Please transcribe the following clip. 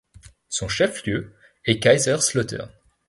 Son chef-lieu est Kaiserslautern.